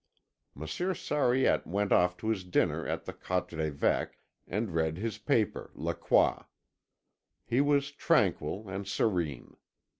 Monsieur Sariette went off to his dinner at the Quatre Évêques, and read his paper La Croix. He was tranquil and serene.